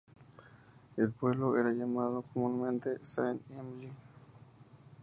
El pueblo era llamado comúnmente Saint-Émile.